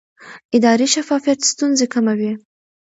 اداري شفافیت ستونزې کموي